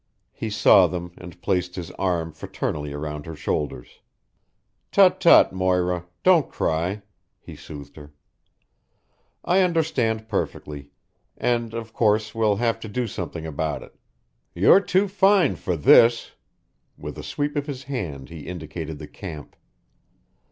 He saw them and placed his arm fraternally around her shoulders. "Tut tut, Moira! Don't cry," he soothed her. "I understand perfectly, and of course we'll have to do something about it. You're too fine for this." With a sweep of his hand he indicated the camp.